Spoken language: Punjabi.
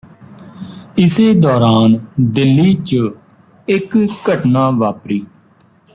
ਇਸੇ ਦੌਰਾਨ ਦਿੱਲੀ ਚ ਇਕ ਘਟਨਾ ਵਾਪਰੀ